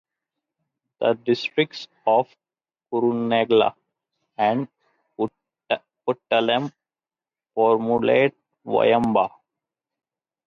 The districts of Kurunegala and Puttalam formulate Wayamba.